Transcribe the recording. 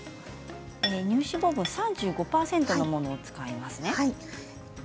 乳脂肪分３５％のものを使いますね。